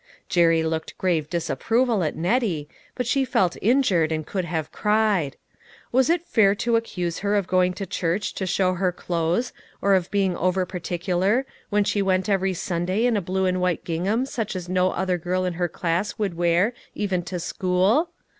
Jerry looked grave disapproval at Nettie, but she felt injured and could have cried. Was it AN ORDEAL. 293 fair to accuse her of going to church to show her clothes, or of being over particular, when she went every Sunday in a blue and white gingham such as no other girl in her class would wear even to school